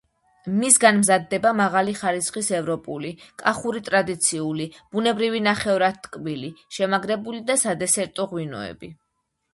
მისგან მზადდება მაღალი ხარისხის ევროპული, კახური ტრადიციული, ბუნებრივი ნახევრად ტკბილი, შემაგრებული და სადესერტო ღვინოები.